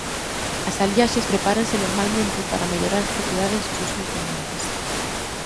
As aliaxes prepáranse normalmente para mellorar as propiedades dos seus compoñentes.